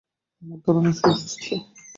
আমার ধারণা সে অসুস্থ।